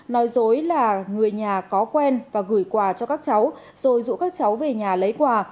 nói dối là người nhà có quen và gửi quà cho các cháu rồi rủ các cháu về nhà lấy quà